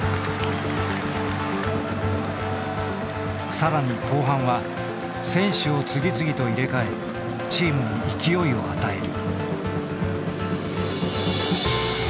更に後半は選手を次々と入れ替えチームに勢いを与える。